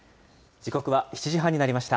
時刻は７時半になりました。